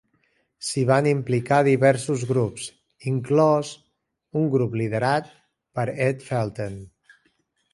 S'hi van implicar diversos grups, inclòs un grup liderat per Ed Felten.